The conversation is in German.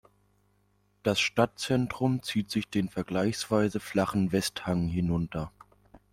Das Stadtzentrum zieht sich den vergleichsweise flachen Westhang hinunter.